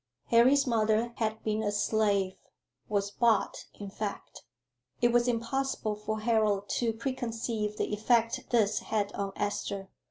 "Harry's mother had been a slave was bought, in fact." It was impossible for Harold to preconceive the effect this had on Esther.